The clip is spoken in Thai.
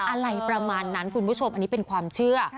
อะไรประมาณนั้นคุณผู้ชมอันนี้เป็นความเชื่อ